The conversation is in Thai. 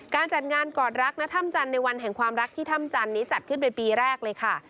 การจัดงานกอดรักณถ้ำจันทร์ในวันแห่งความรักที่ถ้ำจันทร์นี้จัดขึ้นเป็นปีแรกเลยค่ะ